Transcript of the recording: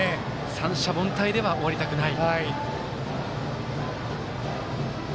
三者凡退では終わりたくない。